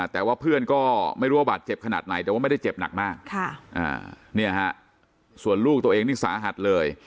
แต่ว่าเพื่อนก็ไม่รู้ว่าบาดเจ็บขนาดไหนแต่ว่าไม่ได้เจ็บหนักมากส่วนลูกตัวเองนี่สาหัสเลย